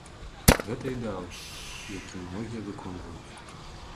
Гэта ідэал, які многія выконваюць.